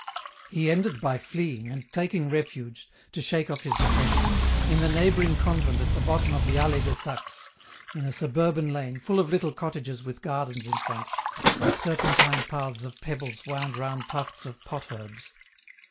He ended by fleeing, and taking refuge, to shake off his depression, in the neighbouring convent at the bottom of the alley de Saxe, in a suburban lane, full of little cottages with gardens in front, where serpentine paths of pebbles wound round tufts of pot herbs.